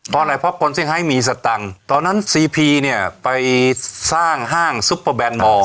เพราะอะไรเพราะคนเซ็งไฮมีสตังค์ตอนนั้นซีพีเนี่ยไปสร้างห้างซุปเปอร์แบนมอร์